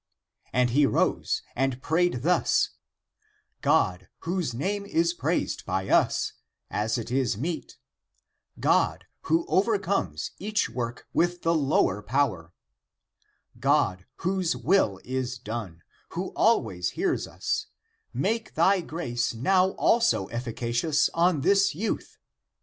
Then he rose and prayed thus :" God, whose name is praised by us, as it is meet ; God, who overcomes each work of the lower (power) ; God, whose will is done, who always hears us, make thy grace now also efficacious on this youth!